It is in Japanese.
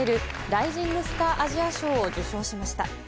ライジングスター・アジア賞を受賞しました。